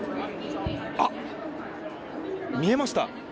あ、見えました！